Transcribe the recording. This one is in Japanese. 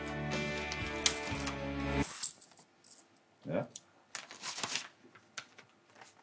えっ？